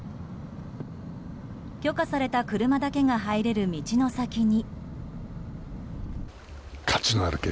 許可された車だけが入れる道の先に。